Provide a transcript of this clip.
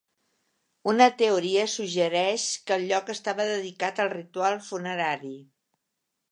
Una teoria suggereix que el lloc estava dedicat al ritual funerari.